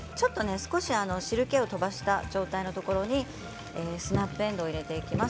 少し汁けを飛ばしたあとにスナップえんどうを入れていきます。